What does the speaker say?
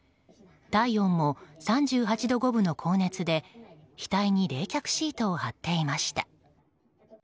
体温も３８度５分の高熱で額に冷却シートを貼っていました。